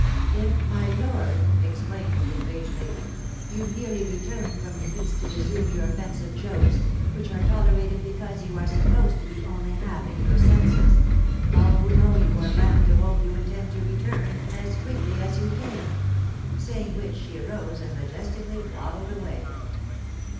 "If, my lord," exclaimed the enraged lady, "you merely returned from the East to resume your offensive jokes, which are tolerated because you are supposed to be only half in your senses, all who know you are bound to hope you intend to return as quickly as you came;" saying which she arose, and majestically waddled away.